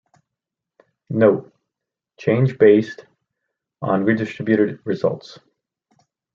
Note: Change based on redistributed results.